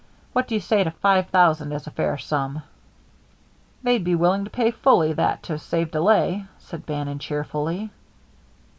What do you say to five thousand as a fair sum?" "They'd be willing to pay fully that to save delay," said Bannon, cheerfully.